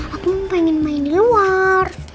aku pengen main di luar